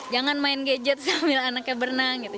jangan main gadget sambil anaknya berenang gitu